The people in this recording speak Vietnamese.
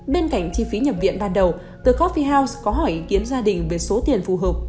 bên cạnh chi phí nhập viện ban đầu the corphie house có hỏi ý kiến gia đình về số tiền phù hợp